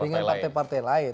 dengan partai partai lain